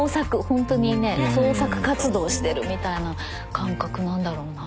ほんとにね創作活動してるみたいな感覚なんだろうな。